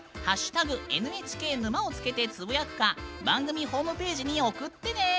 「＃ＮＨＫ沼」をつけてつぶやくか番組ホームページに送ってね。